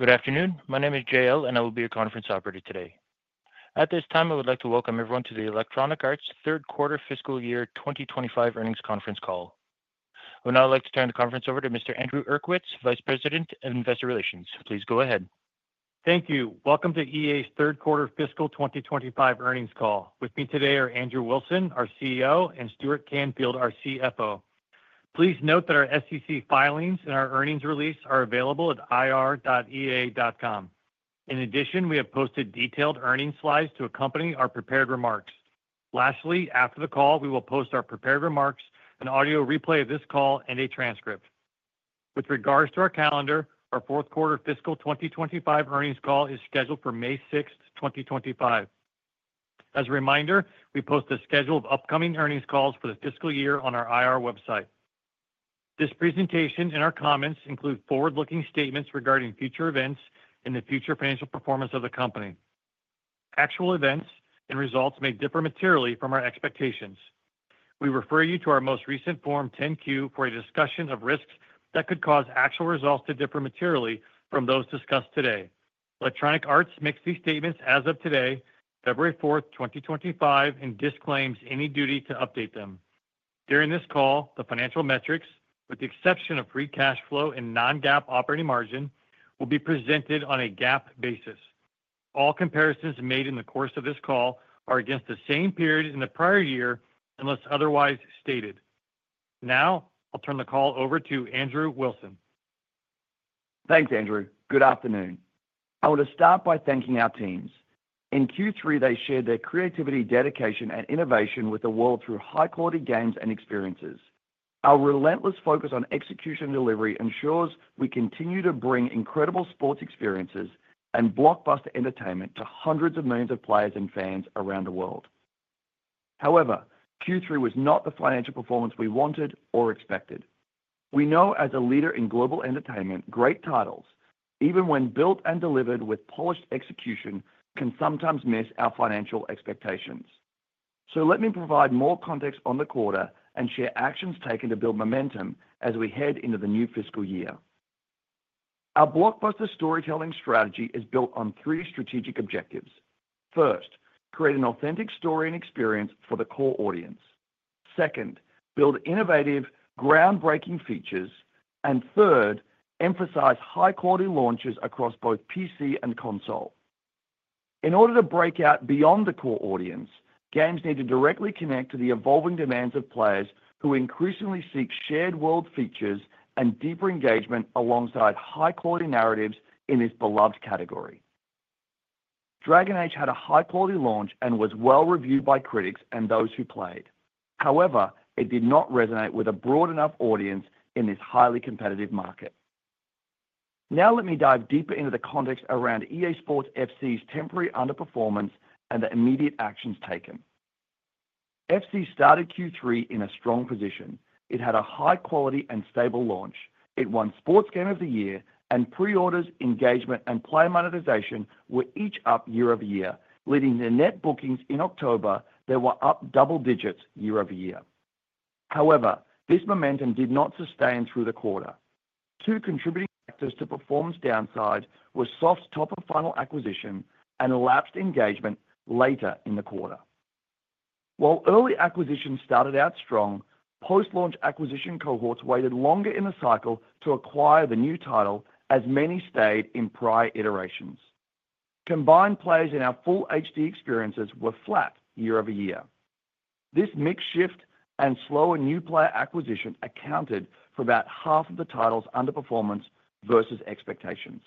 Good afternoon. My name is JL, and I will be your conference operator today. At this time, I would like to welcome everyone to the Electronic Arts Third Quarter Fiscal Year 2025 Earnings Conference call. I would now like to turn the conference over to Mr. Andrew Uerkwitz, Vice President of Investor Relations. Please go ahead. Thank you. Welcome to EA's Third Quarter Fiscal 2025 Earnings Call. With me today are Andrew Wilson, our CEO, and Stuart Canfield, our CFO. Please note that our SEC filings and our earnings release are available at ir.ea.com. In addition, we have posted detailed earnings slides to accompany our prepared remarks. Lastly, after the call, we will post our prepared remarks, an audio replay of this call, and a transcript. With regards to our calendar, our Fourth Quarter Fiscal 2025 Earnings Call is scheduled for May 6, 2025. As a reminder, we post a schedule of upcoming earnings calls for the fiscal year on our IR website. This presentation and our comments include forward-looking statements regarding future events and the future financial performance of the company. Actual events and results may differ materially from our expectations. We refer you to our most recent Form 10-Q for a discussion of risks that could cause actual results to differ materially from those discussed today. Electronic Arts makes these statements as of today, February 4, 2025, and disclaims any duty to update them. During this call, the financial metrics, with the exception of free cash flow and non-GAAP operating margin, will be presented on a GAAP basis. All comparisons made in the course of this call are against the same period in the prior year unless otherwise stated. Now, I'll turn the call over to Andrew Wilson. Thanks, Andrew. Good afternoon. I want to start by thanking our teams. In Q3, they shared their creativity, dedication, and innovation with the world through high-quality games and experiences. Our relentless focus on execution and delivery ensures we continue to bring incredible sports experiences and blockbuster entertainment to hundreds of millions of players and fans around the world. However, Q3 was not the financial performance we wanted or expected. We know as a leader in global entertainment, great titles, even when built and delivered with polished execution, can sometimes miss our financial expectations. So let me provide more context on the quarter and share actions taken to build momentum as we head into the new fiscal year. Our blockbuster storytelling strategy is built on three strategic objectives. First, create an authentic story and experience for the core audience. Second, build innovative, groundbreaking features. Third, emphasize high-quality launches across both PC and console. In order to break out beyond the core audience, games need to directly connect to the evolving demands of players who increasingly seek shared world features and deeper engagement alongside high-quality narratives in this beloved category. Dragon Age had a high-quality launch and was well-reviewed by critics and those who played. However, it did not resonate with a broad enough audience in this highly competitive market. Now, let me dive deeper into the context around EA Sports FC's temporary underperformance and the immediate actions taken. FC started Q3 in a strong position. It had a high-quality and stable launch. It won Sports Game of the Year, and pre-orders, engagement, and player monetization were each up year over year, leading to net bookings in October that were up double digits year over year. However, this momentum did not sustain through the quarter. Two contributing factors to performance downside were soft top-of-funnel acquisition and elapsed engagement later in the quarter. While early acquisitions started out strong, post-launch acquisition cohorts waited longer in the cycle to acquire the new title, as many stayed in prior iterations. Combined players in our full HD experiences were flat year-over-year. This mixed shift and slower new player acquisition accounted for about half of the title's underperformance versus expectations.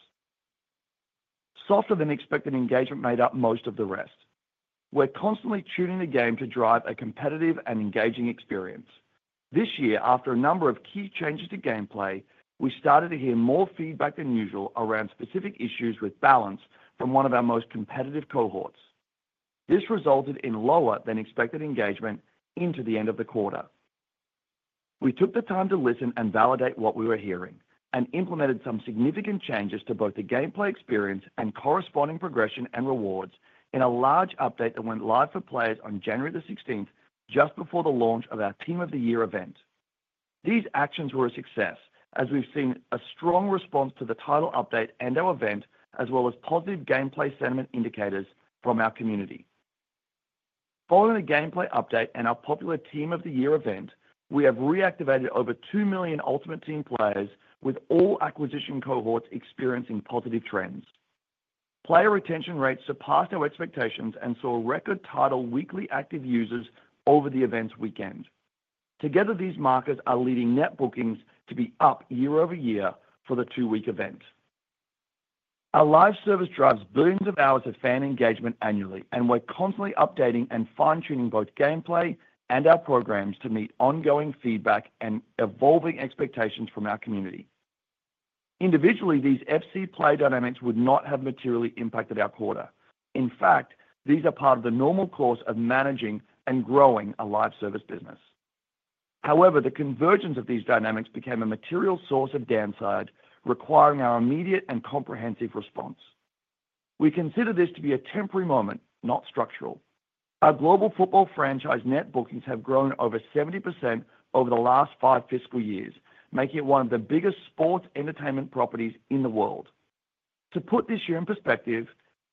Softer than expected engagement made up most of the rest. We're constantly tuning the game to drive a competitive and engaging experience. This year, after a number of key changes to gameplay, we started to hear more feedback than usual around specific issues with balance from one of our most competitive cohorts. This resulted in lower than expected engagement into the end of the quarter. We took the time to listen and validate what we were hearing and implemented some significant changes to both the gameplay experience and corresponding progression and rewards in a large update that went live for players on January the 16th, just before the launch of our Team of the Year event. These actions were a success, as we've seen a strong response to the title update and our event, as well as positive gameplay sentiment indicators from our community. Following the gameplay update and our popular Team of the Year event, we have reactivated over two million Ultimate Team players, with all acquisition cohorts experiencing positive trends. Player retention rates surpassed our expectations and saw record title weekly active users over the event's weekend. Together, these markers are leading net bookings to be up year-over-year for the two-week event. Our live service drives billions of hours of fan engagement annually, and we're constantly updating and fine-tuning both gameplay and our programs to meet ongoing feedback and evolving expectations from our community. Individually, these FC play dynamics would not have materially impacted our quarter. In fact, these are part of the normal course of managing and growing a live service business. However, the convergence of these dynamics became a material source of downside, requiring our immediate and comprehensive response. We consider this to be a temporary moment, not structural. Our global football franchise net bookings have grown over 70% over the last five fiscal years, making it one of the biggest sports entertainment properties in the world. To put this year in perspective,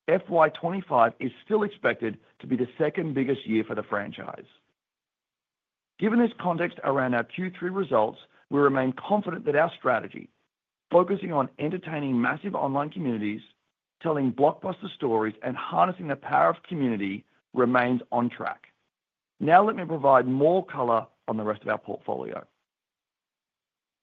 FY2025 is still expected to be the second biggest year for the franchise. Given this context around our Q3 results, we remain confident that our strategy, focusing on entertaining massive online communities, telling blockbuster stories, and harnessing the power of community, remains on track. Now, let me provide more color on the rest of our portfolio.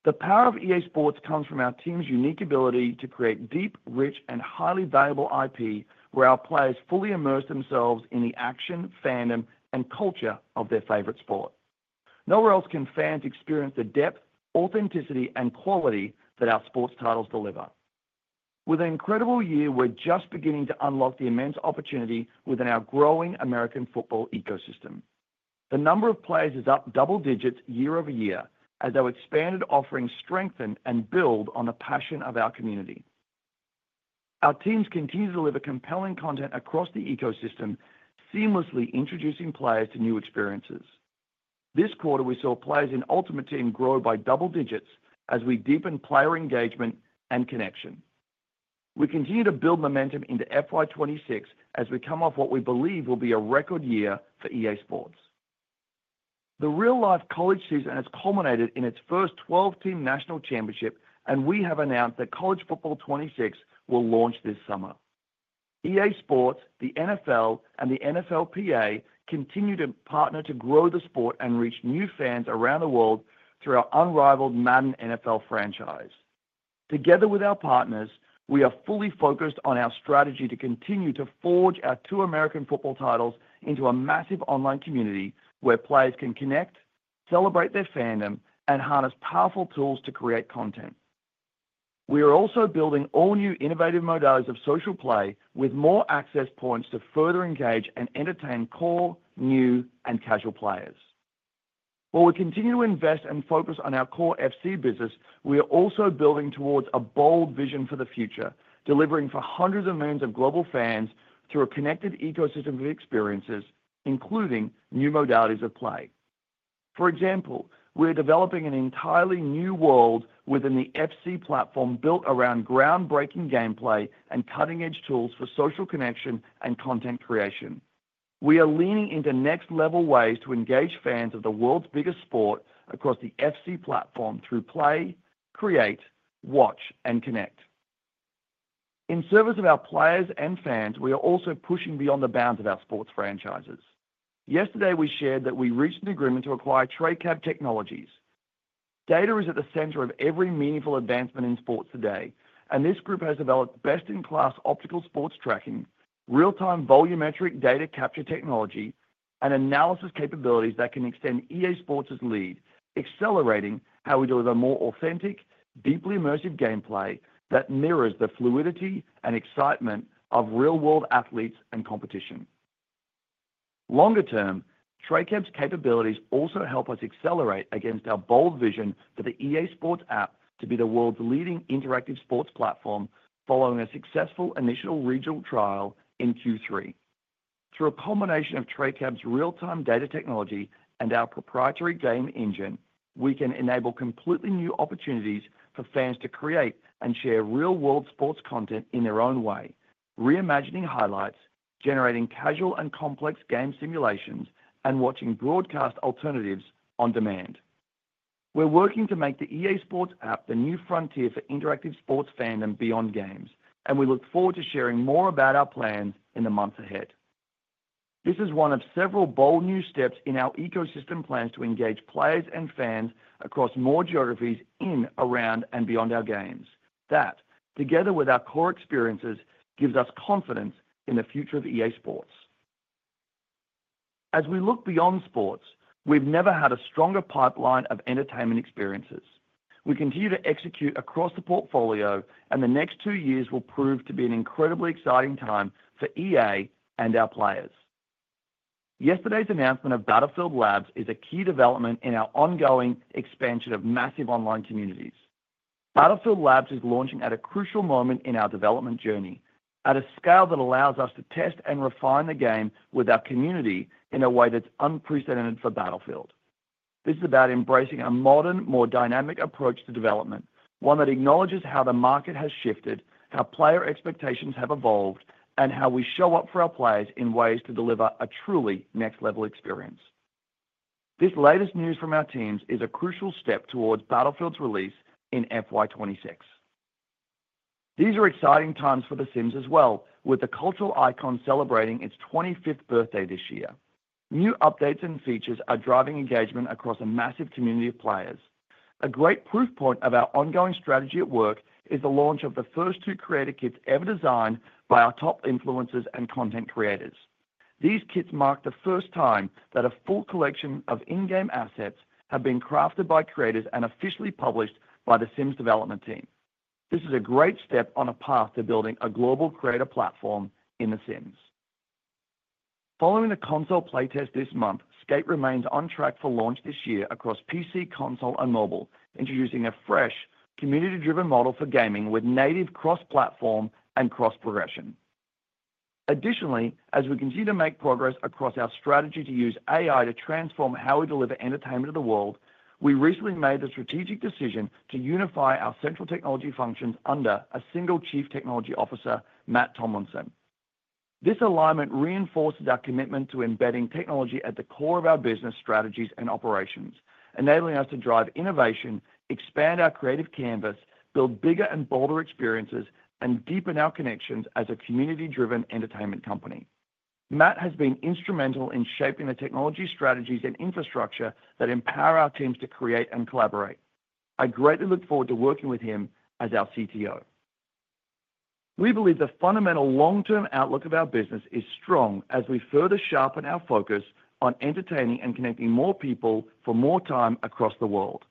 The power of EA SPORTS comes from our team's unique ability to create deep, rich, and highly valuable IP, where our players fully immerse themselves in the action, fandom, and culture of their favorite sport. Nowhere else can fans experience the depth, authenticity, and quality that our sports titles deliver. With an incredible year, we're just beginning to unlock the immense opportunity within our growing American football ecosystem. The number of players is up double digits year-over-year, as our expanded offerings strengthen and build on the passion of our community. Our teams continue to deliver compelling content across the ecosystem, seamlessly introducing players to new experiences. This quarter, we saw players in Ultimate Team grow by double digits as we deepened player engagement and connection. We continue to build momentum into FY2026 as we come off what we believe will be a record year for EA SPORTS. The real-life College season has culminated in its first 12-team national championship, and we have announced that College Football 26 will launch this summer. EA SPORTS, the NFL, and the NFLPA continue to partner to grow the sport and reach new fans around the world through our unrivaled Madden NFL franchise. Together with our partners, we are fully focused on our strategy to continue to forge our two American football titles into a massive online community where players can connect, celebrate their fandom, and harness powerful tools to create content. We are also building all-new innovative modalities of social play with more access points to further engage and entertain core, new, and casual players. While we continue to invest and focus on our core FC business, we are also building towards a bold vision for the future, delivering for hundreds of millions of global fans through a connected ecosystem of experiences, including new modalities of play. For example, we are developing an entirely new world within the FC platform built around groundbreaking gameplay and cutting-edge tools for social connection and content creation. We are leaning into next-level ways to engage fans of the world's biggest sport across the FC platform through play, create, watch, and connect. In service of our players and fans, we are also pushing beyond the bounds of our sports franchises. Yesterday, we shared that we reached an agreement to acquire Tracab Technologies. Data is at the center of every meaningful advancement in sports today, and this group has developed best-in-class optical sports tracking, real-time volumetric data capture technology, and analysis capabilities that can extend EA Sports' lead, accelerating how we deliver more authentic, deeply immersive gameplay that mirrors the fluidity and excitement of real-world athletes and competition. Longer term, Tracab's capabilities also help us accelerate against our bold vision for the EA Sports app to be the world's leading interactive sports platform, following a successful initial regional trial in Q3. Through a combination of Tracab's real-time data technology and our proprietary game engine, we can enable completely new opportunities for fans to create and share real-world sports content in their own way, reimagining highlights, generating casual and complex game simulations, and watching broadcast alternatives on demand. We're working to make the EA SPORTS app the new frontier for interactive sports fandom beyond games, and we look forward to sharing more about our plans in the months ahead. This is one of several bold new steps in our ecosystem plans to engage players and fans across more geographies in, around, and beyond our games. That, together with our core experiences, gives us confidence in the future of EA SPORTS. As we look beyond sports, we've never had a stronger pipeline of entertainment experiences. We continue to execute across the portfolio, and the next two years will prove to be an incredibly exciting time for EA and our players. Yesterday's announcement of Battlefield Labs is a key development in our ongoing expansion of massive online communities. Battlefield Labs is launching at a crucial moment in our development journey at a scale that allows us to test and refine the game with our community in a way that's unprecedented for Battlefield. This is about embracing a modern, more dynamic approach to development, one that acknowledges how the market has shifted, how player expectations have evolved, and how we show up for our players in ways to deliver a truly next-level experience. This latest news from our teams is a crucial step towards Battlefield's release in FY2026. These are exciting times for The Sims as well, with the cultural icon celebrating its 25th birthday this year. New updates and features are driving engagement across a massive community of players. A great proof point of our ongoing strategy at work is the launch of the first two creator kits ever designed by our top influencers and content creators. These kits mark the first time that a full collection of in-game assets have been crafted by creators and officially published by The Sims development team. This is a great step on a path to building a global creator platform in The Sims. Following the console playtest this month, Skate remains on track for launch this year across PC, console, and mobile, introducing a fresh community-driven model for gaming with native cross-platform and cross-progression. Additionally, as we continue to make progress across our strategy to use AI to transform how we deliver entertainment to the world, we recently made the strategic decision to unify our central technology functions under a single Chief Technology Officer, Matt Tomlinson. This alignment reinforces our commitment to embedding technology at the core of our business strategies and operations, enabling us to drive innovation, expand our creative canvas, build bigger and bolder experiences, and deepen our connections as a community-driven entertainment company. Matt has been instrumental in shaping the technology strategies and infrastructure that empower our teams to create and collaborate. I greatly look forward to working with him as our CTO. We believe the fundamental long-term outlook of our business is strong as we further sharpen our focus on entertaining and connecting more people for more time across the world.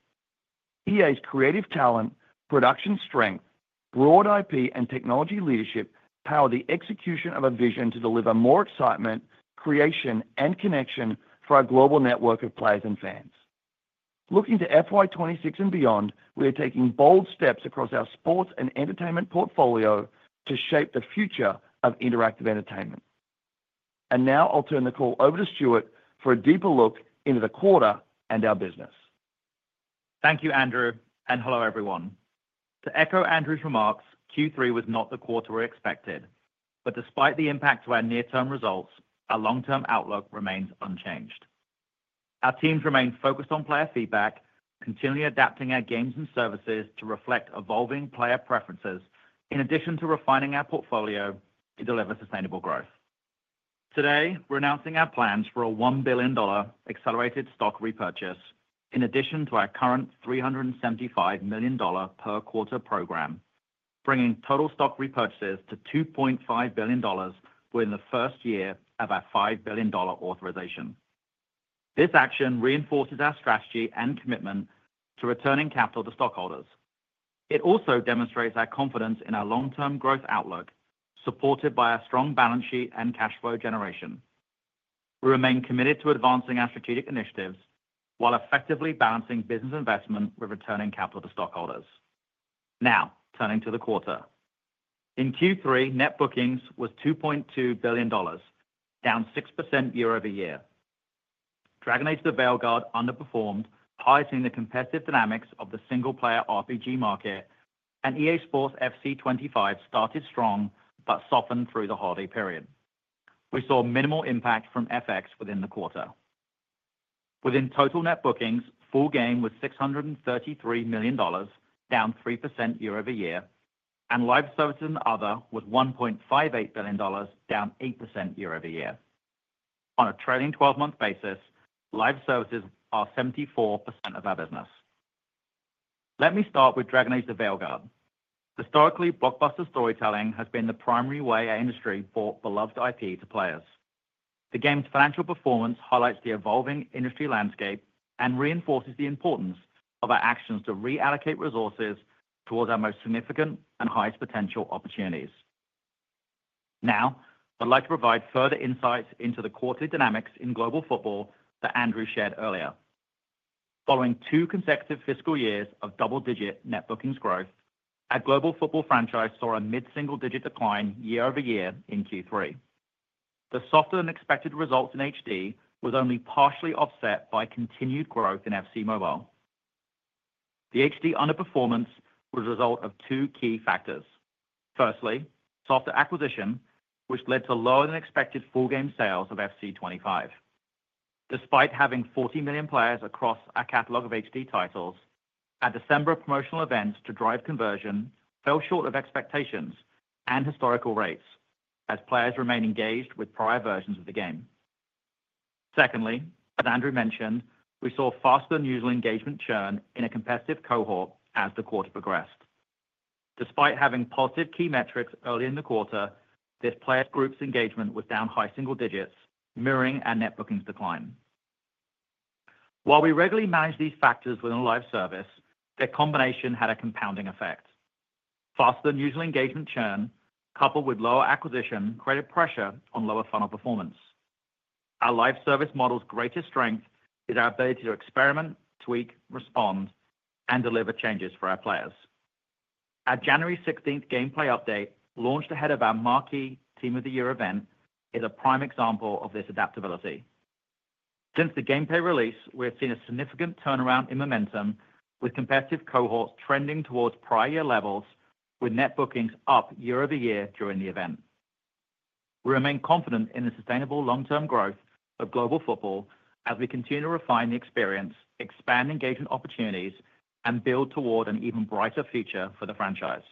EA's creative talent, production strength, broad IP, and technology leadership power the execution of a vision to deliver more excitement, creation, and connection for our global network of players and fans. Looking to FY2026 and beyond, we are taking bold steps across our sports and entertainment portfolio to shape the future of interactive entertainment, and now, I'll turn the call over to Stuart for a deeper look into the quarter and our business. Thank you, Andrew, and hello, everyone. To echo Andrew's remarks, Q3 was not the quarter we expected, but despite the impact of our near-term results, our long-term outlook remains unchanged. Our teams remain focused on player feedback, continually adapting our games and services to reflect evolving player preferences, in addition to refining our portfolio to deliver sustainable growth. Today, we're announcing our plans for a $1 billion accelerated stock repurchase, in addition to our current $375 million per quarter program, bringing total stock repurchases to $2.5 billion within the first year of our $5 billion authorization. This action reinforces our strategy and commitment to returning capital to stockholders. It also demonstrates our confidence in our long-term growth outlook, supported by our strong balance sheet and cash flow generation. We remain committed to advancing our strategic initiatives while effectively balancing business investment with returning capital to stockholders. Now, turning to the quarter. In Q3, net bookings was $2.2 billion, down 6% year-over-year. Dragon Age: The Veilguard underperformed, highlighting the competitive dynamics of the single-player RPG market, and EA Sports FC 25 started strong but softened through the holiday period. We saw minimal impact from FX within the quarter. Within total net bookings, full game was $633 million, down 3% year-over-year, and live services and other was $1.58 billion, down 8% year-over-year. On a trailing 12-month basis, live services are 74% of our business. Let me start with Dragon Age: The Veilguard. Historically, blockbuster storytelling has been the primary way our industry brought beloved IP to players. The game's financial performance highlights the evolving industry landscape and reinforces the importance of our actions to reallocate resources towards our most significant and highest potential opportunities. Now, I'd like to provide further insights into the quarterly dynamics in global football that Andrew shared earlier. Following two consecutive fiscal years of double-digit net bookings growth, our global football franchise saw a mid-single-digit decline year over year in Q3. The softer-than-expected results in FC were only partially offset by continued growth in FC Mobile. The FC underperformance was the result of two key factors. Firstly, softer acquisition, which led to lower-than-expected full-game sales of FC 25. Despite having 40 million players across our catalog of HD titles, our December promotional events to drive conversion fell short of expectations and historical rates as players remained engaged with prior versions of the game. Secondly, as Andrew mentioned, we saw faster-than-usual engagement churn in a competitive cohort as the quarter progressed. Despite having positive key metrics early in the quarter, this player group's engagement was down high single digits, mirroring our net bookings decline. While we regularly manage these factors within a live service, their combination had a compounding effect. Faster-than-usual engagement churn coupled with lower acquisition created pressure on lower funnel performance. Our live service model's greatest strength is our ability to experiment, tweak, respond, and deliver changes for our players. Our January 16th gameplay update, launched ahead of our marquee Team of the Year event, is a prime example of this adaptability. Since the gameplay release, we have seen a significant turnaround in momentum, with competitive cohorts trending towards prior-year levels, with net bookings up year-over-year during the event. We remain confident in the sustainable long-term growth of global football as we continue to refine the experience, expand engagement opportunities, and build toward an even brighter future for the franchise.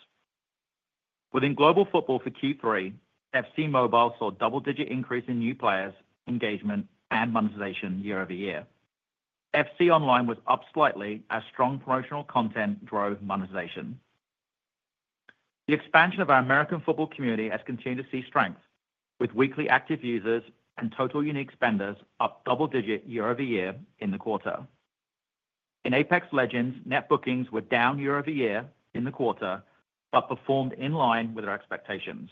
Within global football for Q3, FC Mobile saw a double-digit increase in new players, engagement, and monetization year-over-year. FC Online was up slightly as strong promotional content drove monetization. The expansion of our American football community has continued to see strength, with weekly active users and total unique spenders up double-digit year-over-year in the quarter. In Apex Legends, net bookings were down year-over-year in the quarter but performed in line with our expectations.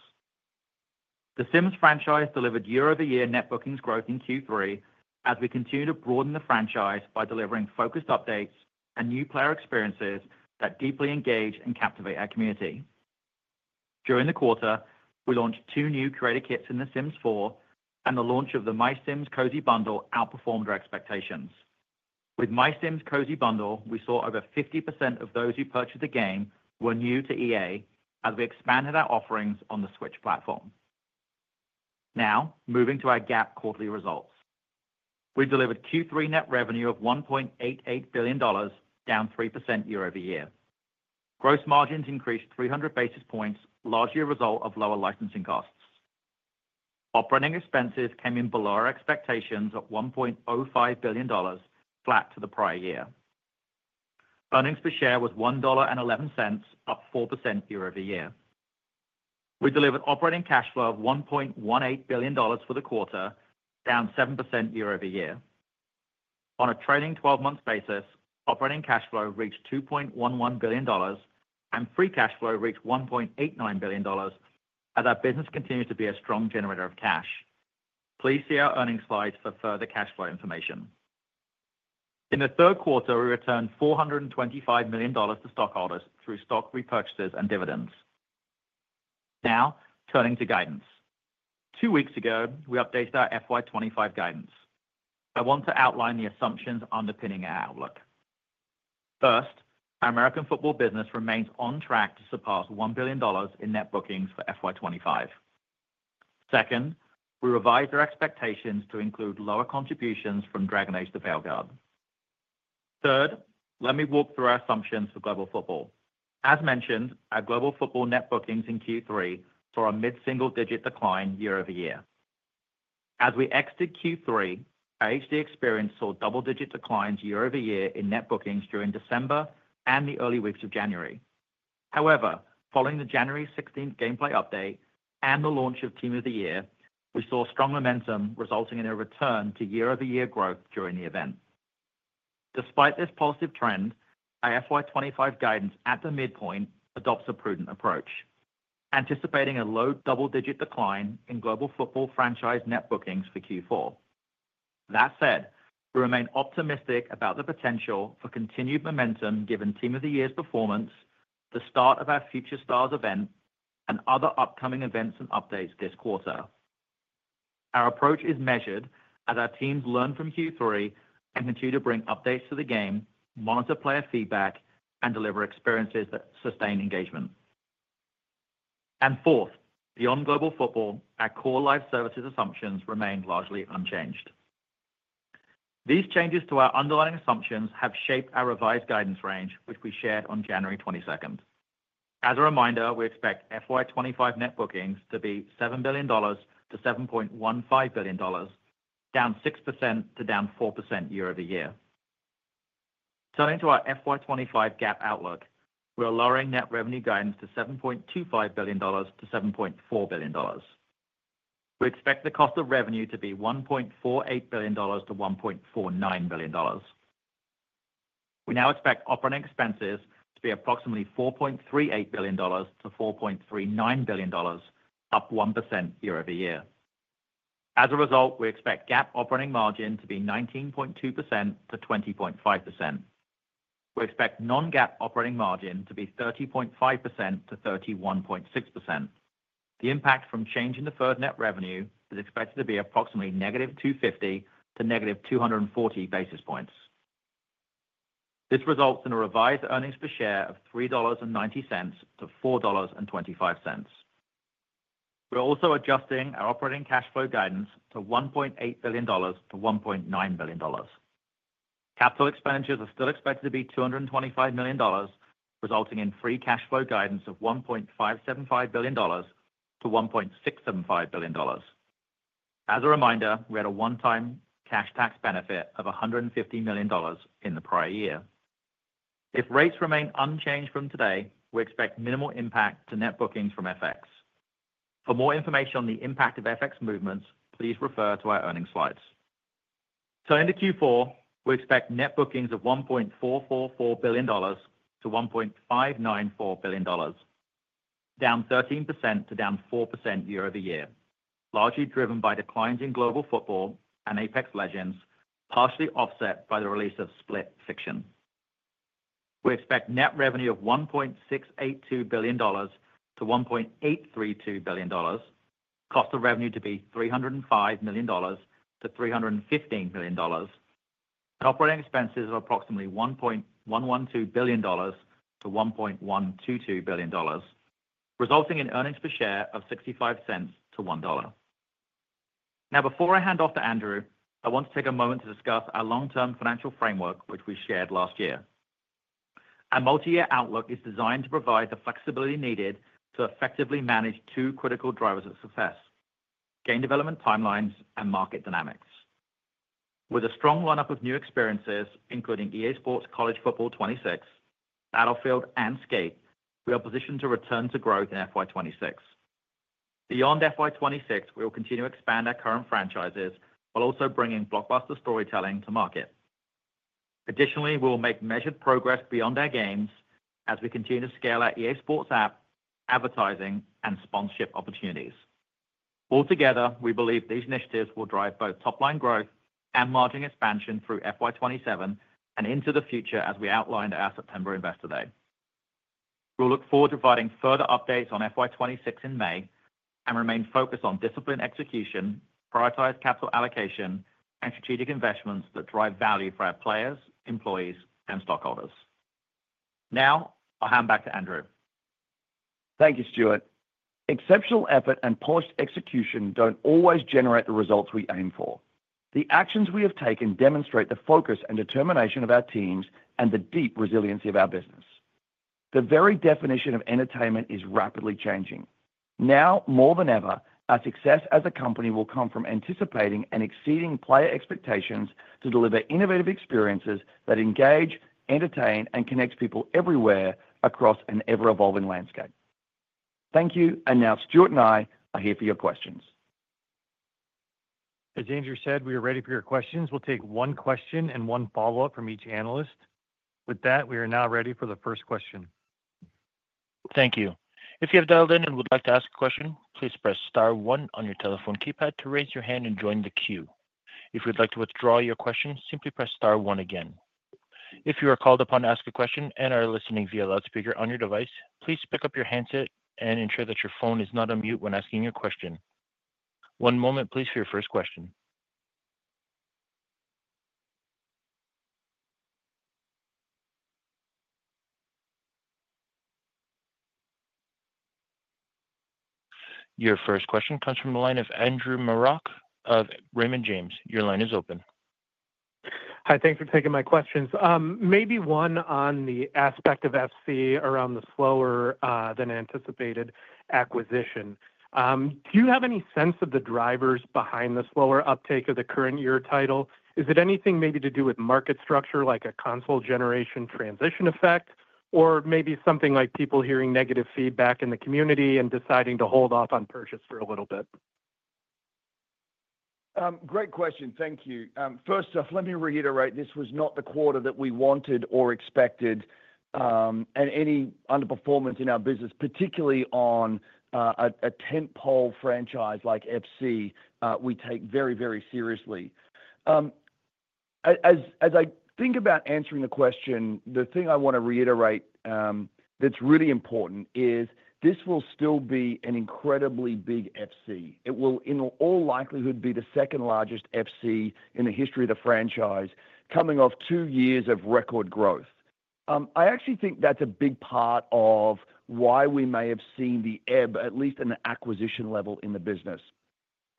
The Sims franchise delivered year-over-year net bookings growth in Q3 as we continue to broaden the franchise by delivering focused updates and new player experiences that deeply engage and captivate our community. During the quarter, we launched two new creator kits in The Sims 4, and the launch of the MySims Cozy Bundle outperformed our expectations. With MySims Cozy Bundle, we saw over 50% of those who purchased the game were new to EA as we expanded our offerings on the Switch platform. Now, moving to our GAAP quarterly results. We delivered Q3 net revenue of $1.88 billion, down 3% year-over-year. Gross margins increased 300 basis points, largely a result of lower licensing costs. Operating expenses came in below our expectations at $1.05 billion, flat to the prior year. Earnings per share was $1.11, up 4% year-over-year. We delivered operating cash flow of $1.18 billion for the quarter, down 7% year-over-year. On a trailing 12-month basis, operating cash flow reached $2.11 billion, and free cash flow reached $1.89 billion, as our business continues to be a strong generator of cash. Please see our earnings slides for further cash flow information. In the third quarter, we returned $425 million to stockholders through stock repurchases and dividends. Now, turning to guidance. Two weeks ago, we updated our FY2025 guidance. I want to outline the assumptions underpinning our outlook. First, our American football business remains on track to surpass $1 billion in net bookings for FY2025. Second, we revised our expectations to include lower contributions from Dragon Age: The Veilguard. Third, let me walk through our assumptions for global football. As mentioned, our global football net bookings in Q3 saw a mid-single-digit decline year-over-year. As we exited Q3, our FUT experience saw double-digit declines year-over-year in net bookings during December and the early weeks of January. However, following the January 16th gameplay update and the launch of Team of the Year, we saw strong momentum resulting in a return to year-over-year growth during the event. Despite this positive trend, our FY2025 guidance at the midpoint adopts a prudent approach, anticipating a low double-digit decline in global football franchise net bookings for Q4. That said, we remain optimistic about the potential for continued momentum given Team of the Year's performance, the start of our Future Stars event, and other upcoming events and updates this quarter. Our approach is measured as our teams learn from Q3 and continue to bring updates to the game, monitor player feedback, and deliver experiences that sustain engagement. Fourth, beyond global football, our core live services assumptions remain largely unchanged. These changes to our underlying assumptions have shaped our revised guidance range, which we shared on January 22nd. As a reminder, we expect FY2025 net bookings to be $7 billion-$7.15 billion, down 6%-down 4% year-over-year. Turning to our FY2025 GAAP outlook, we are lowering net revenue guidance to $7.25 billion-$7.4 billion. We expect the cost of revenue to be $1.48 billion-$1.49 billion. We now expect operating expenses to be approximately $4.38 billion-$4.39 billion, up 1% year-over-year. As a result, we expect GAAP operating margin to be 19.2%-20.5%. We expect non-GAAP operating margin to be 30.5%-31.6%. The impact from changing the FX net revenue is expected to be approximately -250 to -240 basis points. This results in a revised earnings per share of $3.90-$4.25. We're also adjusting our operating cash flow guidance to $1.8 billion-$1.9 billion. Capital expenditures are still expected to be $225 million, resulting in free cash flow guidance of $1.575 billion-$1.675 billion. As a reminder, we had a one-time cash tax benefit of $150 million in the prior year. If rates remain unchanged from today, we expect minimal impact to net bookings from FX. For more information on the impact of FX movements, please refer to our earnings slides. Turning to Q4, we expect net bookings of $1.444 billion-$1.594 billion, down 13% to down 4% year-over-year, largely driven by declines in global football and Apex Legends, partially offset by the release of Split Fiction. We expect net revenue of $1.682 billion-$1.832 billion, cost of revenue to be $305 million-$315 million, and operating expenses of approximately $1.112 billion-$1.122 billion, resulting in earnings per share of $0.65-$1. Now, before I hand off to Andrew, I want to take a moment to discuss our long-term financial framework, which we shared last year. Our multi-year outlook is designed to provide the flexibility needed to effectively manage two critical drivers of success: game development timelines and market dynamics. With a strong lineup of new experiences, including EA SPORTS College Football 26, Battlefield, and Skate, we are positioned to return to growth in FY2026. Beyond FY2026, we will continue to expand our current franchises while also bringing blockbuster storytelling to market. Additionally, we will make measured progress beyond our games as we continue to scale our EA SPORTS app, advertising, and sponsorship opportunities. Altogether, we believe these initiatives will drive both top-line growth and margin expansion through FY2027 and into the future, as we outlined at our September Investor Day. We'll look forward to providing further updates on FY2026 in May and remain focused on disciplined execution, prioritized capital allocation, and strategic investments that drive value for our players, employees, and stockholders. Now, I'll hand back to Andrew. Thank you, Stuart. Exceptional effort and polished execution don't always generate the results we aim for. The actions we have taken demonstrate the focus and determination of our teams and the deep resiliency of our business. The very definition of entertainment is rapidly changing. Now more than ever, our success as a company will come from anticipating and exceeding player expectations to deliver innovative experiences that engage, entertain, and connect people everywhere across an ever-evolving landscape. Thank you, and now Stuart and I are here for your questions. As Andrew said, we are ready for your questions. We'll take one question and one follow-up from each analyst. With that, we are now ready for the first question. Thank you. If you have dialed in and would like to ask a question, please press Star one on your telephone keypad to raise your hand and join the queue. If you'd like to withdraw your question, simply press Star one again. If you are called upon to ask a question and are listening via loudspeaker on your device, please pick up your handset and ensure that your phone is not on mute when asking your question. One moment, please, for your first question. Your first question comes from the line of Andrew Marok of Raymond James. Your line is open. Hi, thanks for taking my questions. Maybe one on the aspect of FC around the slower-than-anticipated acquisition. Do you have any sense of the drivers behind the slower uptake of the current year title? Is it anything maybe to do with market structure, like a console-generation transition effect, or maybe something like people hearing negative feedback in the community and deciding to hold off on purchase for a little bit? Great question. Thank you. First off, let me reiterate, this was not the quarter that we wanted or expected, and any underperformance in our business, particularly on a tentpole franchise like FC, we take very, very seriously. As I think about answering the question, the thing I want to reiterate that's really important is this will still be an incredibly big FC. It will, in all likelihood, be the second largest FC in the history of the franchise, coming off two years of record growth. I actually think that's a big part of why we may have seen the ebb, at least at an acquisition level in the business.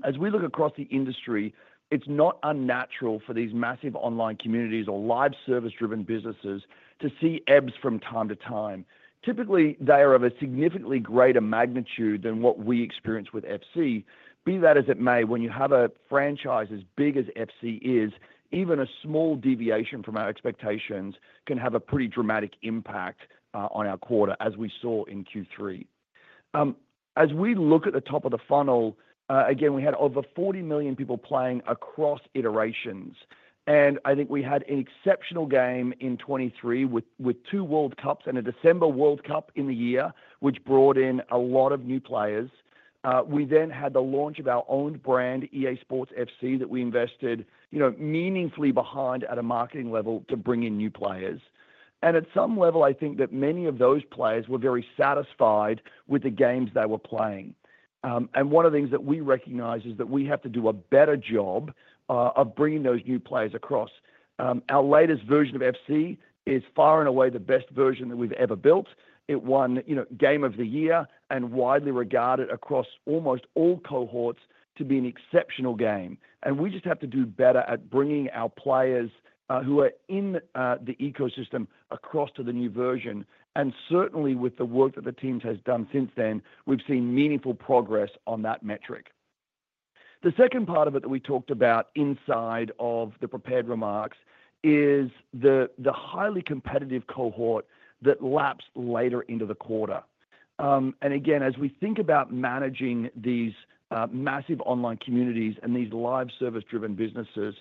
As we look across the industry, it's not unnatural for these massive online communities or live service-driven businesses to see ebbs from time to time. Typically, they are of a significantly greater magnitude than what we experience with FC. Be that as it may, when you have a franchise as big as FC is, even a small deviation from our expectations can have a pretty dramatic impact on our quarter, as we saw in Q3. As we look at the top of the funnel, again, we had over 40 million people playing across iterations. And I think we had an exceptional game in 2023 with two World Cups and a December World Cup in the year, which brought in a lot of new players. We then had the launch of our own brand, EA Sports FC, that we invested meaningfully behind at a marketing level to bring in new players. And at some level, I think that many of those players were very satisfied with the games they were playing. And one of the things that we recognize is that we have to do a better job of bringing those new players across. Our latest version of FC is far and away the best version that we've ever built. It won Game of the Year and is widely regarded across almost all cohorts to be an exceptional game, and we just have to do better at bringing our players who are in the ecosystem across to the new version, and certainly, with the work that the team has done since then, we've seen meaningful progress on that metric. The second part of it that we talked about inside of the prepared remarks is the highly competitive cohort that laps later into the quarter, and again, as we think about managing these massive online communities and these live service-driven businesses,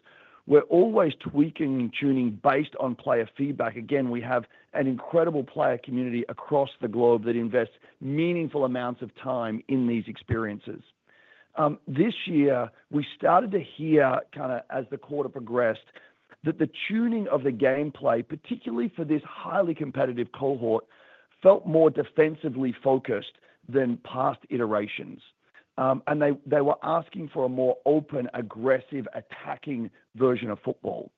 we're always tweaking and tuning based on player feedback. Again, we have an incredible player community across the globe that invests meaningful amounts of time in these experiences. This year, we started to hear, kind of as the quarter progressed, that the tuning of the gameplay, particularly for this highly competitive cohort, felt more defensively focused than past iterations, and they were asking for a more open, aggressive, attacking version of football.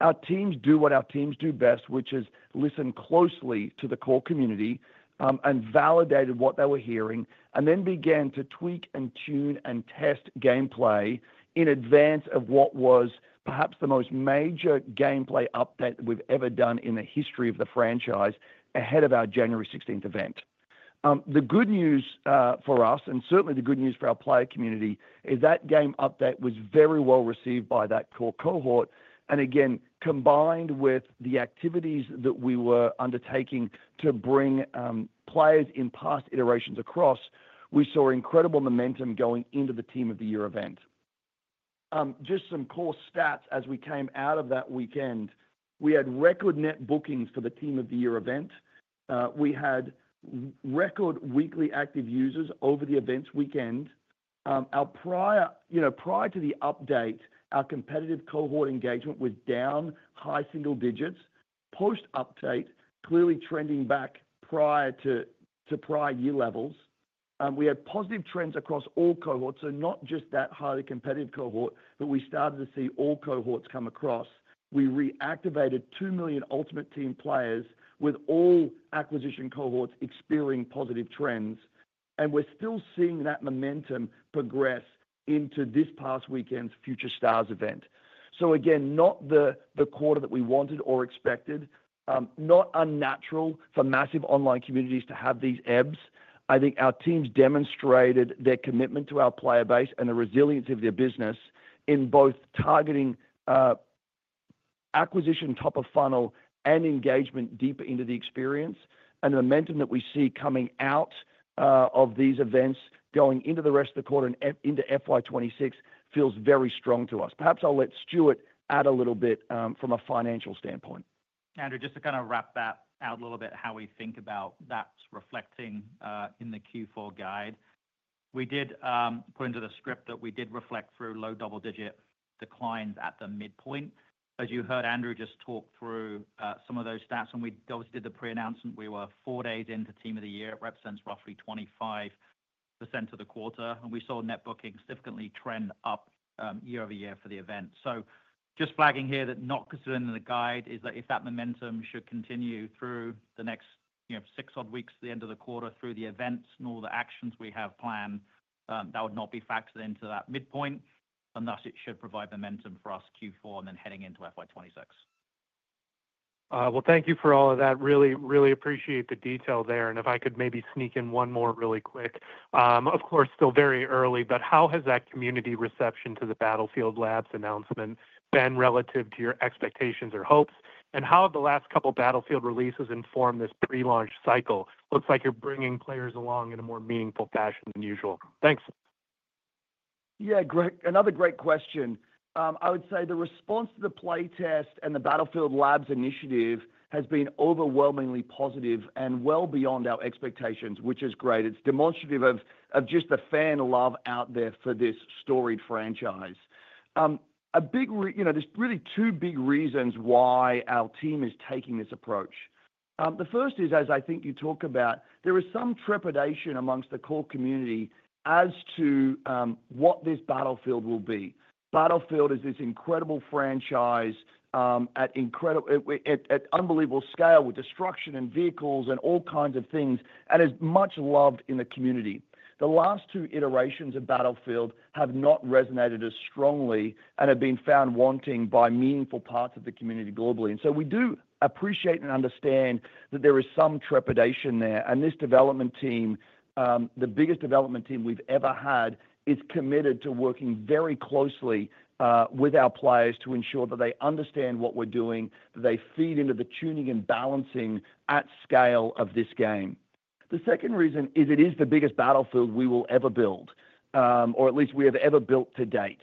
Our teams do what our teams do best, which is listen closely to the core community and validate what they were hearing, and then began to tweak and tune and test gameplay in advance of what was perhaps the most major gameplay update that we've ever done in the history of the franchise ahead of our January 16th event. The good news for us, and certainly the good news for our player community, is that game update was very well received by that core cohort. Again, combined with the activities that we were undertaking to bring players in past iterations across, we saw incredible momentum going into the Team of the Year event. Just some core stats: as we came out of that weekend, we had record net bookings for the Team of the Year event. We had record weekly active users over the event's weekend. Prior to the update, our competitive cohort engagement was down high single digits. Post-update, clearly trending back to prior year levels. We had positive trends across all cohorts, so not just that highly competitive cohort, but we started to see all cohorts come across. We reactivated 2 million Ultimate Team players with all acquisition cohorts experiencing positive trends. We're still seeing that momentum progress into this past weekend's Future Stars event. Again, not the quarter that we wanted or expected. Not unnatural for massive online communities to have these ebbs. I think our teams demonstrated their commitment to our player base and the resilience of their business in both targeting acquisition top of funnel and engagement deeper into the experience, and the momentum that we see coming out of these events going into the rest of the quarter and into FY2026 feels very strong to us. Perhaps I'll let Stuart add a little bit from a financial standpoint. Andrew, just to kind of wrap that out a little bit, how we think about that reflecting in the Q4 guide. We did put into the script that we did reflect through low double-digit declines at the midpoint. As you heard Andrew just talk through some of those stats, when we obviously did the pre-announcement, we were four days into Team of the Year. It represents roughly 25% of the quarter. And we saw net bookings significantly trend up year-over-year for the event. So just flagging here that not considering the guide is that if that momentum should continue through the next six odd weeks to the end of the quarter through the events and all the actions we have planned, that would not be factored into that midpoint. And thus, it should provide momentum for us Q4 and then heading into FY2026. Well, thank you for all of that. Really, really appreciate the detail there. And if I could maybe sneak in one more really quick. Of course, still very early, but how has that community reception to the Battlefield Labs announcement been relative to your expectations or hopes? And how have the last couple of Battlefield releases informed this pre-launch cycle? Looks like you're bringing players along in a more meaningful fashion than usual. Thanks. Yeah, great. Another great question. I would say the response to the playtest and the Battlefield Labs initiative has been overwhelmingly positive and well beyond our expectations, which is great. It's demonstrative of just the fan love out there for this storied franchise. There's really two big reasons why our team is taking this approach. The first is, as I think you talk about, there is some trepidation amongst the core community as to what this Battlefield will be. Battlefield is this incredible franchise at unbelievable scale with destruction and vehicles and all kinds of things and is much loved in the community. The last two iterations of Battlefield have not resonated as strongly and have been found wanting by meaningful parts of the community globally. And so we do appreciate and understand that there is some trepidation there. And this development team, the biggest development team we've ever had, is committed to working very closely with our players to ensure that they understand what we're doing, that they feed into the tuning and balancing at scale of this game. The second reason is it is the biggest Battlefield we will ever build, or at least we have ever built to date.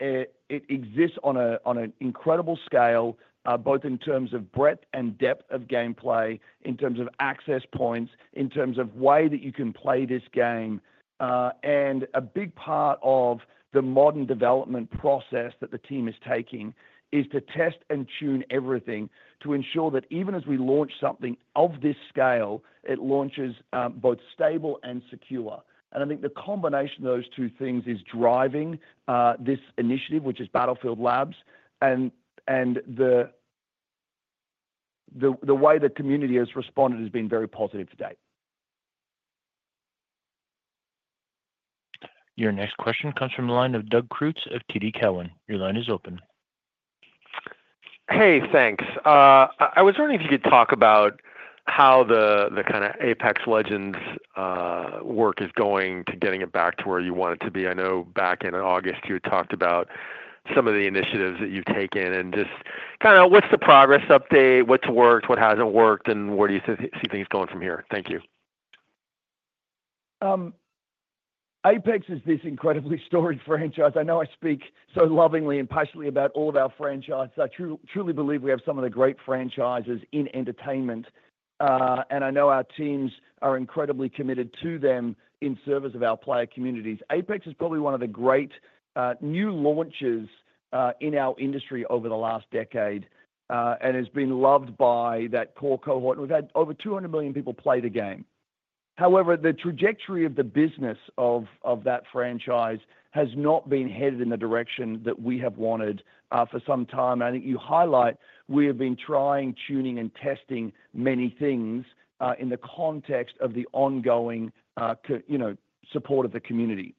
It exists on an incredible scale, both in terms of breadth and depth of gameplay, in terms of access points, in terms of way that you can play this game. And a big part of the modern development process that the team is taking is to test and tune everything to ensure that even as we launch something of this scale, it launches both stable and secure. And I think the combination of those two things is driving this initiative, which is Battlefield Labs, and the way the community has responded has been very positive to date. Your next question comes from the line of Doug Creutz of TD Cowen. Your line is open. Hey, thanks. I was wondering if you could talk about how the kind of Apex Legends work is going to getting it back to where you want it to be. I know back in August, you had talked about some of the initiatives that you've taken and just kind of what's the progress update, what's worked, what hasn't worked, and where do you see things going from here? Thank you. Apex is this incredibly storied franchise. I know I speak so lovingly and passionately about all of our franchises. I truly believe we have some of the great franchises in entertainment. I know our teams are incredibly committed to them in service of our player communities. Apex is probably one of the great new launches in our industry over the last decade and has been loved by that core cohort. We've had over 200 million people play the game. However, the trajectory of the business of that franchise has not been headed in the direction that we have wanted for some time. I think you highlight we have been trying, tuning, and testing many things in the context of the ongoing support of the community.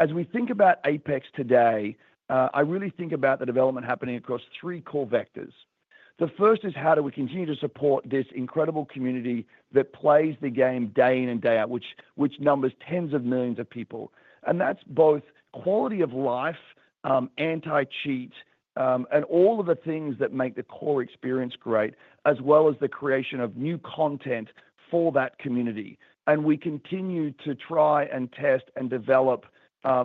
As we think about Apex today, I really think about the development happening across three core vectors. The first is how do we continue to support this incredible community that plays the game day in and day out, which numbers tens of millions of people. And that's both quality of life, anti-cheat, and all of the things that make the core experience great, as well as the creation of new content for that community. And we continue to try and test and develop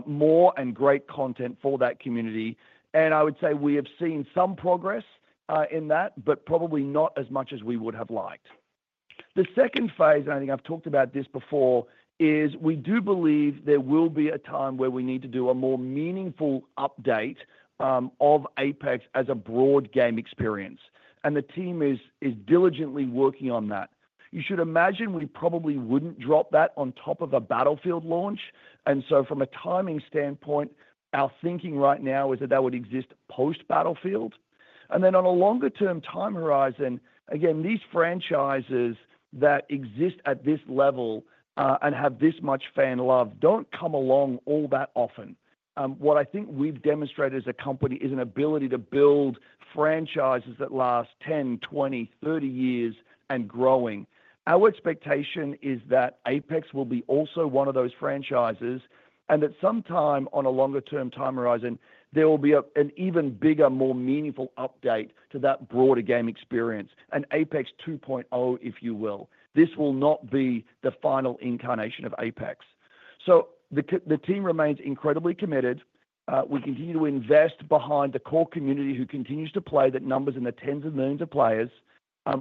more and great content for that community. And I would say we have seen some progress in that, but probably not as much as we would have liked. The second phase, and I think I've talked about this before, is we do believe there will be a time where we need to do a more meaningful update of Apex as a broad game experience. And the team is diligently working on that. You should imagine we probably wouldn't drop that on top of a Battlefield launch. And so from a timing standpoint, our thinking right now is that that would exist post-Battlefield. And then on a longer-term time horizon, again, these franchises that exist at this level and have this much fan love don't come along all that often. What I think we've demonstrated as a company is an ability to build franchises that last 10, 20, 30 years and growing. Our expectation is that Apex will be also one of those franchises and that sometime on a longer-term time horizon, there will be an even bigger, more meaningful update to that broader game experience and Apex 2.0, if you will. This will not be the final incarnation of Apex. So the team remains incredibly committed. We continue to invest behind the core community who continues to play that numbers in the tens of millions of players.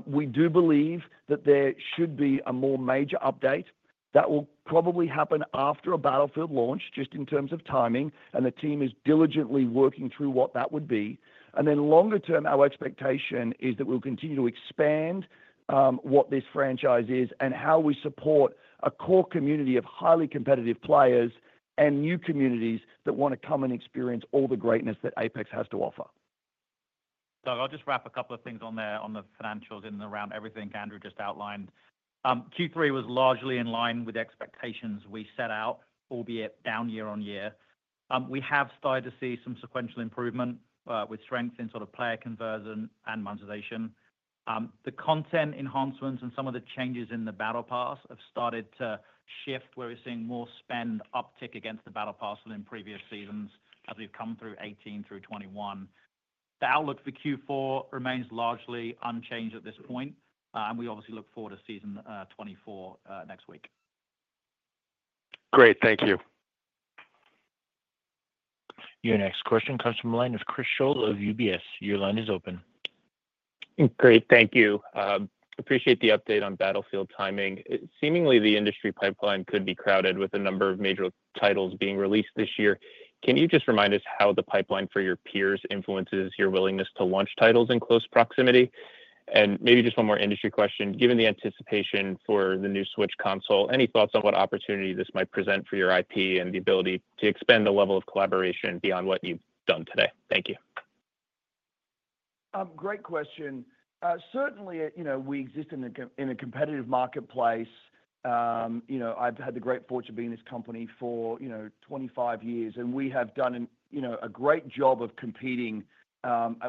We do believe that there should be a more major update. That will probably happen after a Battlefield launch, just in terms of timing. The team is diligently working through what that would be. Then longer-term, our expectation is that we'll continue to expand what this franchise is and how we support a core community of highly competitive players and new communities that want to come and experience all the greatness that Apex has to offer. Doug, I'll just wrap a couple of things on there on the financials and around everything Andrew just outlined. Q3 was largely in line with expectations we set out, albeit down year-on-year. We have started to see some sequential improvement with strength in sort of player conversion and monetization. The content enhancements and some of the changes in the Battle Pass have started to shift where we're seeing more spend uptick against the Battle Pass than in previous seasons as we've come through 18 through 21. The outlook for Q4 remains largely unchanged at this point, and we obviously look forward to Season 24 next week. Great. Thank you. Your next question comes from the line of Chris Scholz of UBS. Your line is open. Great. Thank you. Appreciate the update on Battlefield timing. Seemingly, the industry pipeline could be crowded with a number of major titles being released this year. Can you just remind us how the pipeline for your peers influences your willingness to launch titles in close proximity, and maybe just one more industry question. Given the anticipation for the new Switch console, any thoughts on what opportunity this might present for your IP and the ability to expand the level of collaboration beyond what you've done today? Thank you. Great question. Certainly, we exist in a competitive marketplace. I've had the great fortune of being in this company for 25 years, and we have done a great job of competing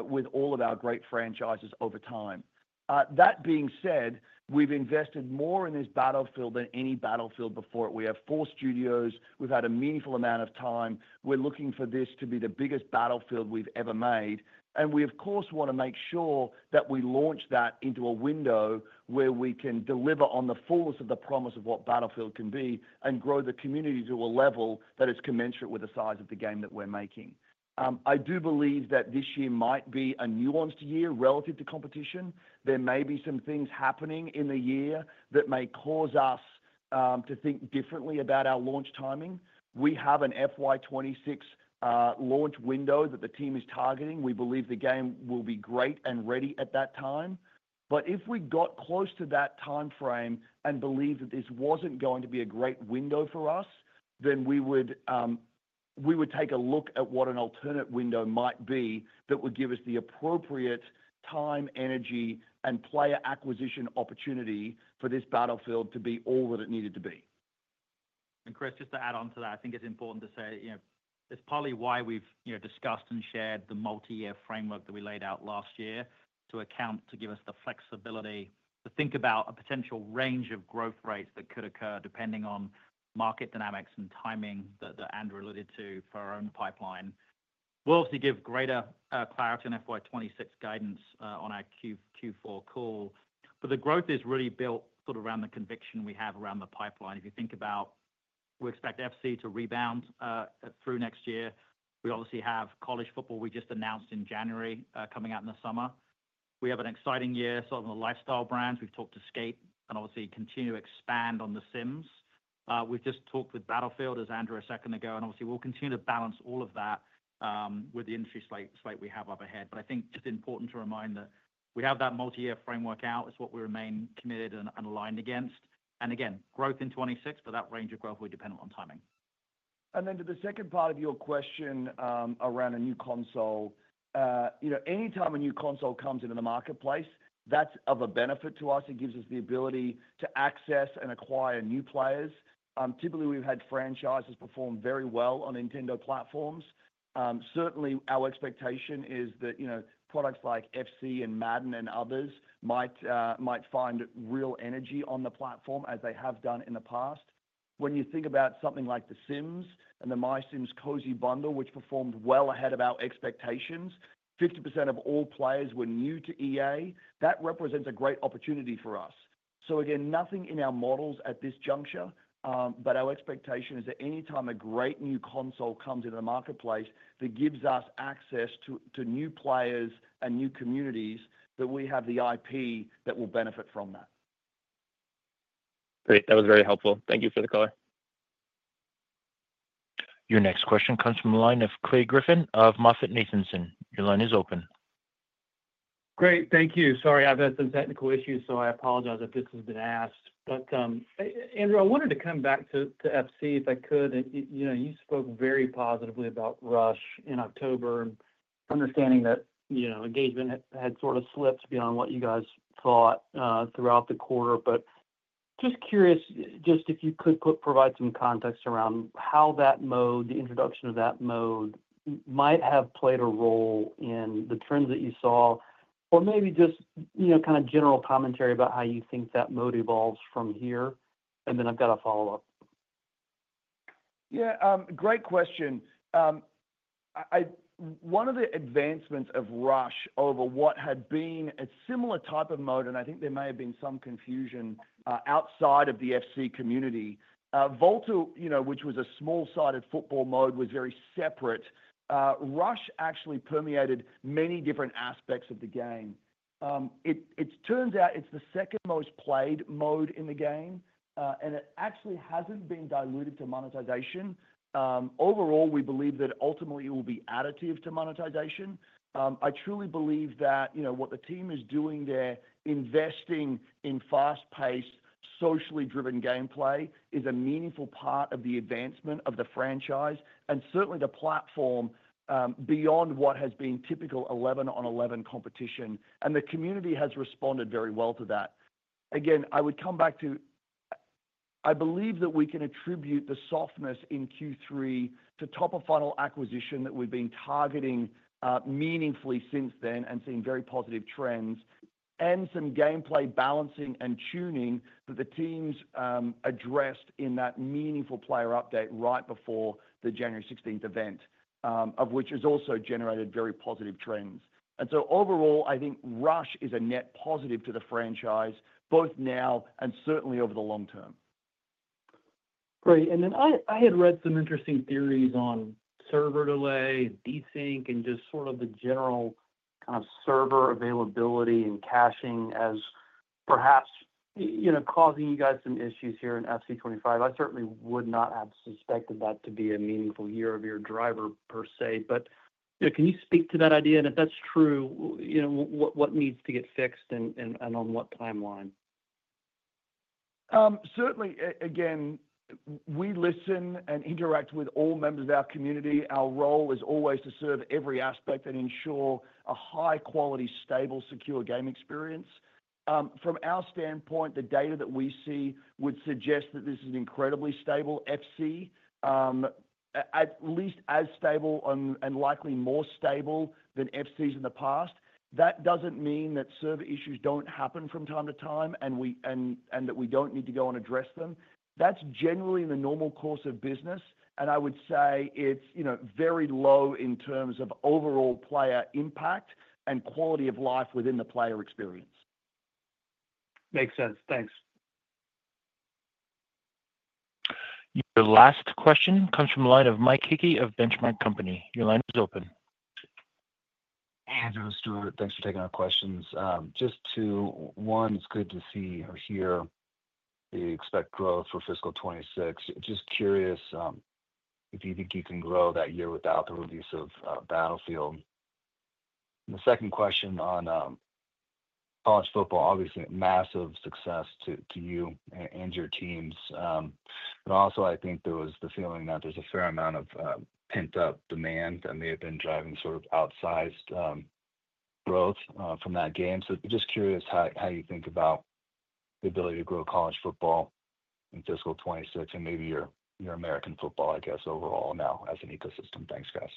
with all of our great franchises over time. That being said, we've invested more in this Battlefield than any Battlefield before it. We have four studios. We've had a meaningful amount of time. We're looking for this to be the biggest Battlefield we've ever made. And we, of course, want to make sure that we launch that into a window where we can deliver on the fullness of the promise of what Battlefield can be and grow the community to a level that is commensurate with the size of the game that we're making. I do believe that this year might be a nuanced year relative to competition. There may be some things happening in the year that may cause us to think differently about our launch timing. We have an FY2026 launch window that the team is targeting. We believe the game will be great and ready at that time. But if we got close to that timeframe and believed that this wasn't going to be a great window for us, then we would take a look at what an alternate window might be that would give us the appropriate time, energy, and player acquisition opportunity for this Battlefield to be all that it needed to be. And Chris, just to add on to that, I think it's important to say it's partly why we've discussed and shared the multi-year framework that we laid out last year to account, to give us the flexibility to think about a potential range of growth rates that could occur depending on market dynamics and timing that Andrew alluded to for our own pipeline. We'll obviously give greater clarity on FY2026 guidance on our Q4 call. But the growth is really built sort of around the conviction we have around the pipeline. If you think about, we expect FC to rebound through next year. We obviously have college football we just announced in January coming out in the summer. We have an exciting year sort of on the lifestyle brands. We've talked to Skate and obviously continue to expand on the Sims. We've just talked with Battlefield, as Andrew a second ago, and obviously we'll continue to balance all of that with the industry slate we have up ahead. But I think just important to remind that we have that multi-year framework out. It's what we remain committed and aligned against. And again, growth in 2026, but that range of growth will be dependent on timing. Then to the second part of your question around a new console, anytime a new console comes into the marketplace, that's of a benefit to us. It gives us the ability to access and acquire new players. Typically, we've had franchises perform very well on Nintendo platforms. Certainly, our expectation is that products like FC and Madden and others might find real energy on the platform as they have done in the past. When you think about something like The Sims and the MySims Cozy Bundle, which performed well ahead of our expectations, 50% of all players were new to EA. That represents a great opportunity for us. So again, nothing in our models at this juncture, but our expectation is that anytime a great new console comes into the marketplace, that gives us access to new players and new communities, that we have the IP that will benefit from that. Great. That was very helpful. Thank you for the call. Your next question comes from the line of Clay Griffin of MoffettNathanson. Your line is open. Great. Thank you. Sorry, I've had some technical issues, so I apologize if this has been asked. But Andrew, I wanted to come back to FC if I could. And you spoke very positively about Rush in October, understanding that engagement had sort of slipped beyond what you guys thought throughout the quarter. But just curious if you could provide some context around how that mode, the introduction of that mode, might have played a role in the trends that you saw, or maybe just kind of general commentary about how you think that mode evolves from here? And then I've got a follow-up. Yeah. Great question. One of the advancements of Rush over what had been a similar type of mode, and I think there may have been some confusion outside of the FC community, Volta, which was a small-sided football mode, was very separate. Rush actually permeated many different aspects of the game. It turns out it's the second most played mode in the game, and it actually hasn't been diluted to monetization. Overall, we believe that ultimately it will be additive to monetization. I truly believe that what the team is doing there, investing in fast-paced, socially driven gameplay, is a meaningful part of the advancement of the franchise and certainly the platform beyond what has been typical 11 on 11 competition. The community has responded very well to that. Again, I would come back to I believe that we can attribute the softness in Q3 to top-of-funnel acquisition that we've been targeting meaningfully since then and seeing very positive trends and some gameplay balancing and tuning that the teams addressed in that meaningful player update right before the January 16th event, of which has also generated very positive trends. Overall, I think Rush is a net positive to the franchise, both now and certainly over the long term. Great. Then I had read some interesting theories on server delay, desync, and just sort of the general kind of server availability and caching as perhaps causing you guys some issues here in FC 25. I certainly would not have suspected that to be a meaningful year-over-year driver per se. Can you speak to that idea? If that's true, what needs to get fixed and on what timeline? Certainly. Again, we listen and interact with all members of our community. Our role is always to serve every aspect and ensure a high-quality, stable, secure game experience. From our standpoint, the data that we see would suggest that this is an incredibly stable FC, at least as stable and likely more stable than FCs in the past. That doesn't mean that server issues don't happen from time to time and that we don't need to go and address them. That's generally in the normal course of business. And I would say it's very low in terms of overall player impact and quality of life within the player experience. Makes sense. Thanks. Your last question comes from the line of Mike Hickey of Benchmark Company. Your line is open. Andrew, Stuart, thanks for taking our questions. Just to one, it's good to see or hear that you expect growth for fiscal 2026. Just curious if you think you can grow that year without the release of Battlefield. The second question on college football, obviously massive success to you and your teams. But also, I think there was the feeling that there's a fair amount of pent-up demand that may have been driving sort of outsized growth from that game. So just curious how you think about the ability to grow college football in fiscal 2026 and maybe your American football, I guess, overall now as an ecosystem. Thanks, guys.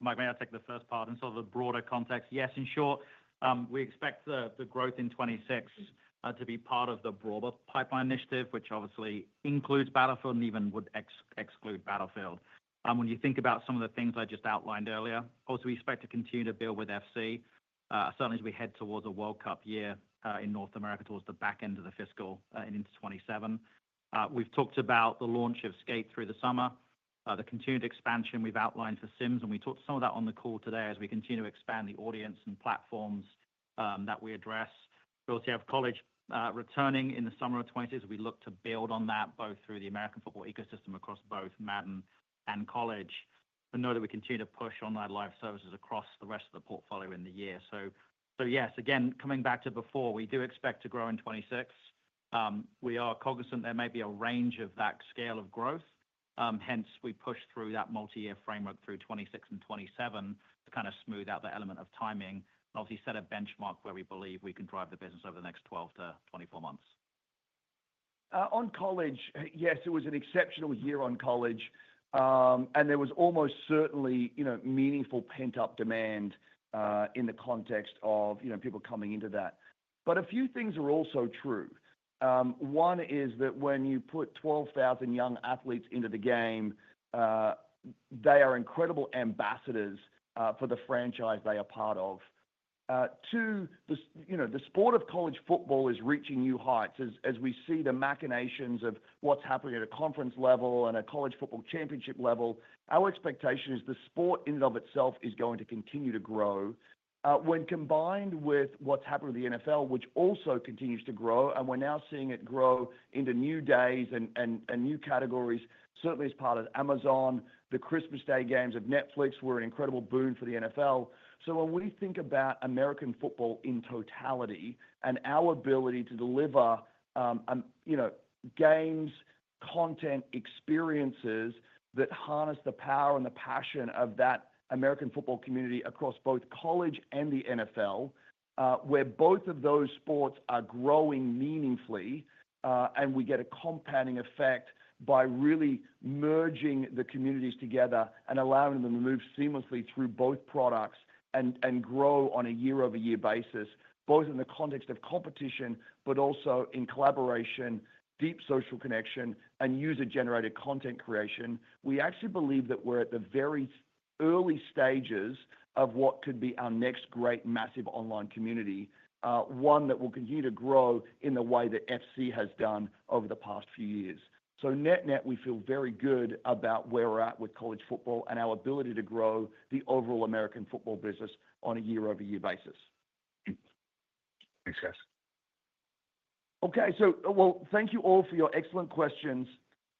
Mike, may I take the first part in sort of the broader context? Yes, in short, we expect the growth in 2026 to be part of the broader pipeline initiative, which obviously includes Battlefield and even would exclude Battlefield. When you think about some of the things I just outlined earlier, obviously we expect to continue to build with FC, certainly as we head towards a World Cup year in North America towards the back end of the fiscal into 2027. We've talked about the launch of Skate through the summer, the continued expansion we've outlined for Sims, and we talked some of that on the call today as we continue to expand the audience and platforms that we address. We also have college returning in the summer of 2026. We look to build on that both through the American football ecosystem across both Madden and College. And know that we continue to push on our live services across the rest of the portfolio in the year. So yes, again, coming back to before, we do expect to grow in 2026. We are cognizant there may be a range of that scale of growth. Hence, we push through that multi-year framework through 2026 and 2027 to kind of smooth out the element of timing and obviously set a benchmark where we believe we can drive the business over the next 12-24 months. On college, yes, it was an exceptional year on college, and there was almost certainly meaningful pent-up demand in the context of people coming into that, but a few things are also true. One is that when you put 12,000 young athletes into the game, they are incredible ambassadors for the franchise they are part of. Two, the sport of college football is reaching new heights. As we see the machinations of what's happening at a conference level and a college football championship level, our expectation is the sport in and of itself is going to continue to grow. When combined with what's happened with the NFL, which also continues to grow, and we're now seeing it grow into new days and new categories, certainly as part of Amazon, the Christmas Day games of Netflix were an incredible boon for the NFL. So when we think about American football in totality and our ability to deliver games, content, experiences that harness the power and the passion of that American football community across both college and the NFL, where both of those sports are growing meaningfully, and we get a compounding effect by really merging the communities together and allowing them to move seamlessly through both products and grow on a year-over-year basis, both in the context of competition, but also in collaboration, deep social connection, and user-generated content creation, we actually believe that we're at the very early stages of what could be our next great massive online community, one that will continue to grow in the way that FC has done over the past few years. So net-net, we feel very good about where we're at with college football and our ability to grow the overall American football business on a year-over-year basis. Thanks, guys. Okay. So well, thank you all for your excellent questions.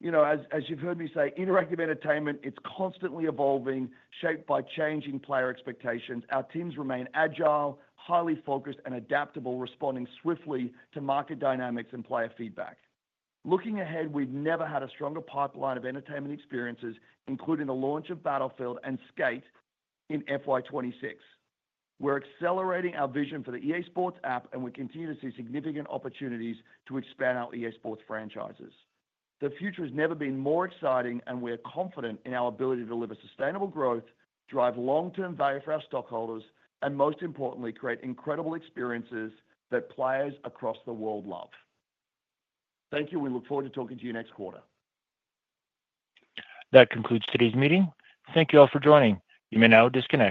As you've heard me say, interactive entertainment, it's constantly evolving, shaped by changing player expectations. Our teams remain agile, highly focused, and adaptable, responding swiftly to market dynamics and player feedback. Looking ahead, we've never had a stronger pipeline of entertainment experiences, including the launch of Battlefield and Skate in FY2026. We're accelerating our vision for the EA SPORTS app, and we continue to see significant opportunities to expand our EA SPORTS franchises. The future has never been more exciting, and we are confident in our ability to deliver sustainable growth, drive long-term value for our stockholders, and most importantly, create incredible experiences that players across the world love. Thank you. We look forward to talking to you next quarter. That concludes today's meeting. Thank you all for joining. You may now disconnect.